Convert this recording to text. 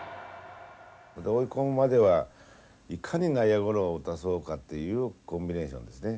追い込むまではいかに内野ゴロを打たそうかっていうコンビネーションですね